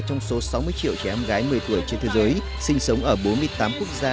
trong số sáu mươi triệu trẻ em gái một mươi tuổi trên thế giới sinh sống ở bốn mươi tám quốc gia